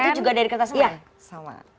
itu juga dari kertas semen